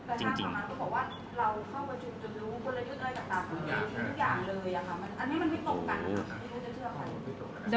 แล้วทางของนั้นก็บอกว่าเราเข้าประชุมจนรู้คนละยุทธ์ได้กับต่างทุกอย่างเลยอ่ะค่ะ